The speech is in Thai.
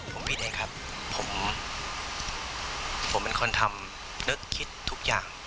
ผมพีคเองครับเหมือนคนทำลึกคิดทุกอย่าง